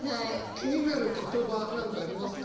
気になる言葉何かありますか？